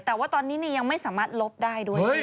แต่ว่าตอนนี้ยังไม่สามารถลบได้ด้วย